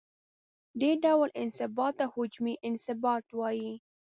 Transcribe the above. دې ډول انبساط ته حجمي انبساط وايي.